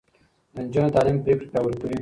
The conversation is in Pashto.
د نجونو تعليم پرېکړې پياوړې کوي.